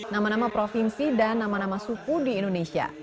nama nama provinsi dan nama nama suku di indonesia